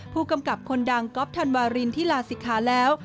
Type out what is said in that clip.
ผู้กำกับคนดังก๊อฟธันวารินที่ลาศิกขาแล้ว